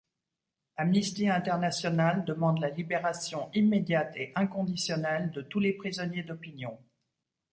Amnesty International demande la libération immédiate et inconditionnelle de tous les prisonniers d'opinion.